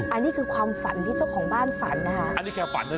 อันนี้คือความฝันที่เจ้าของบ้านฝันนะคะ